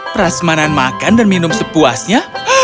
peras manan makan dan minum sepuasnya